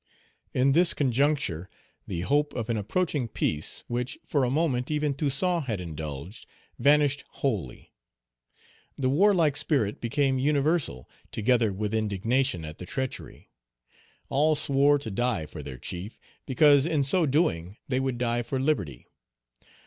In this conjuncture, the hope of an approaching peace, which for a moment even Toussaint had indulged, vanished wholly. The warlike spirit became universal, together with indignation at the treachery. All swore to die for their chief, because in so doing they would die for liberty.